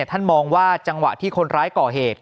ท่านมองว่าจังหวะที่คนร้ายก่อเหตุ